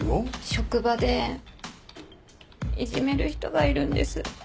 職場でいじめる人がいるんです。